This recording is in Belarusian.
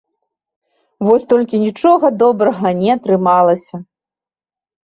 Вось толькі нічога добрага не атрымалася.